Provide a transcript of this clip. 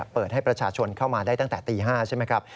เปิดให้ประชาชนเข้ามาได้ตั้งแต่ตี๕ใช่ไหมครับ